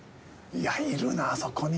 いるなあそこに。